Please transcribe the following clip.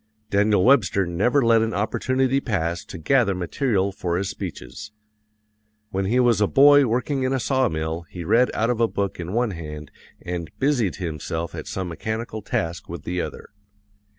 Daniel Webster never let an opportunity pass to gather material for his speeches. When he was a boy working in a sawmill he read out of a book in one hand and busied himself at some mechanical task with the other.